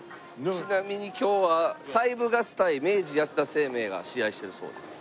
ちなみに今日は西部ガス対明治安田生命が試合してるそうです。